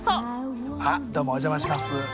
あっどうもお邪魔します。